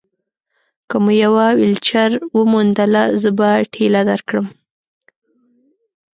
که مو یوه ویلچېر وموندله، زه به ټېله درکړم.